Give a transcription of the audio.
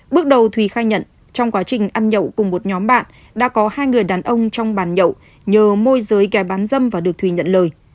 bước đầu thùy khai nhận trong quá trình ăn nhậu cùng một nhóm bạn đã có hai người đàn ông trong bàn nhậu nhờ môi giới gái bán dâm và được thùy nhận lời